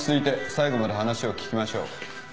最後まで話を聞きましょう。